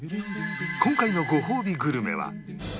今回のごほうびグルメは